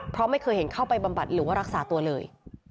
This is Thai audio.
เพราะไม่เคยเห็นเข้าไปบำบัดหรือว่ารักษาตัวเลย